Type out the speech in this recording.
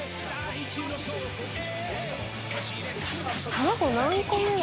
卵何個目だ？